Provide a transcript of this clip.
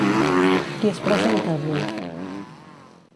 Qui es presenta avui?